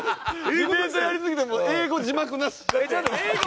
ディベートやりすぎてもう英語字幕なし。